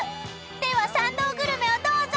［では参道グルメをどうぞ］